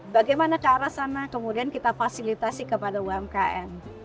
bagaimana ke arah sana kemudian kita fasilitasi kepada umkm